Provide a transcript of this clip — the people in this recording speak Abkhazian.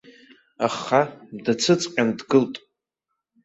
Аха дацыҵҟьан дгылт.